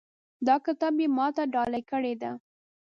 دا کتاب یې ما ته ډالۍ کړی ده